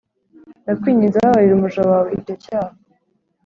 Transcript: Ndakwinginze, babarira umuja wawe icyo cyaha.